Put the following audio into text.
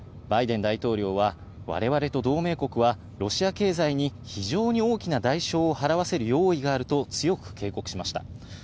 バイデン大統領は我々と同盟国はロシア経済に非常に大きな代償を払わせる用意があると強く警告しました。